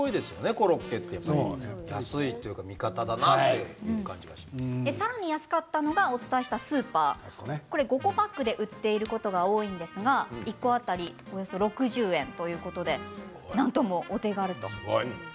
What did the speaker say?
コロッケ、安いさらに安かったのがお伝えしたスーパー５個パックで売っていることが多いんですが、１個当たりおよそ６０円ということでなんとも、お手軽という。